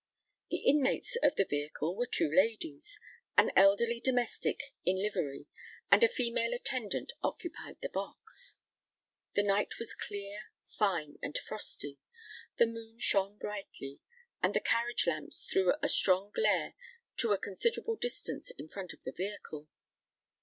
The inmates of the vehicle were two ladies:—an elderly domestic in livery and a female attendant occupied the box. The night was clear, fine, and frosty: the moon shone brightly; and the carriage lamps threw a strong glare to a considerable distance in front of the vehicle.